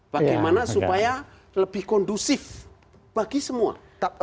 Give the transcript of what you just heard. bagaimana supaya lebih kondusif bagi semua